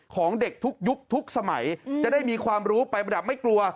ของเด็กทุกยุคทุกสมัยจะได้มีความรู้ไปประดับไม่กลัว